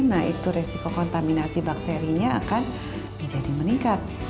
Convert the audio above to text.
nah itu resiko kontaminasi bakterinya akan menjadi meningkat